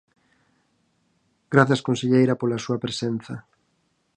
Grazas conselleira pola súa presenza.